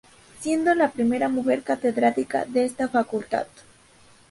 Siendo la primera mujer catedrática de esta Facultad.